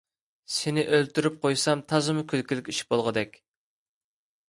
سېنى ئۆلتۈرۈپ قويسام، تازىمۇ كۈلكىلىك ئىش بولغۇدەك.